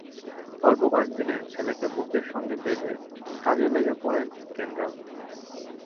অল্প কয়েক দিনের ছেলেকে বুকের সঙ্গে বেঁধে কাজে লেগে পড়েন কেন্ড্রা।